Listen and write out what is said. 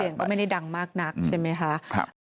เสียงก็ไม่ได้ดังมากนักใช่ไหมคะ